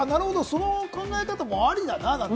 その考え方もありだなぁなんて